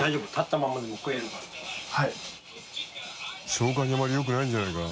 消化にあんまりよくないんじゃないか？